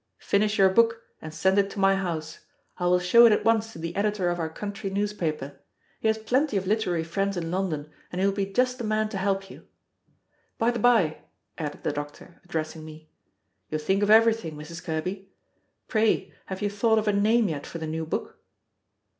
"Finish your book and send it to my house; I will show it at once to the editor of our country newspaper. He has plenty of literary friends in London, and he will be just the man to help you. By the by," added the doctor, addressing me, "you think of everything, Mrs. Kerby; pray have you thought of a name yet for the new book?"